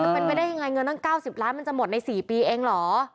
มันเป็นไปได้ยังไงเงินตั้งเก้าสิบล้านมันจะหมดในสี่ปีเองเหรอ